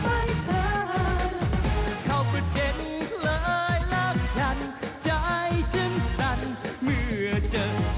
ห่วงห่วงห่วงเกลัวว่าใครจะมาทำร้ายเธอ